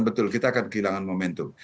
betul kita akan kehilangan momentum